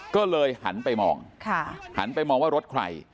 ก็เลยหันไปมองหันไปมองว่ารถใคร